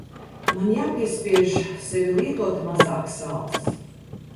Man jāpiespiež sevi lietot mazāk sāls.